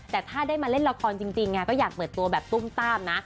แต่ถ้าได้มาเล่นละครจริงก็อยากเปิดตัวแบบตุ้มต้ามนะ